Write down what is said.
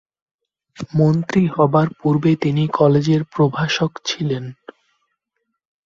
মন্ত্রী হবার পূর্বে তিনি কলেজে প্রভাষক ছিলেন।